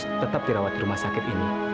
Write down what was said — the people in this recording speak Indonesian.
tetap dirawat di rumah sakit ini